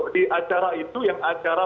di acara itu yang acara